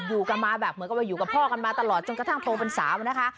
อยู่กันมาแบบเหมือนกับว่าอยู่กับพ่อกันมาตลอดจนกระทั่งโตเป็นสาวนะคะ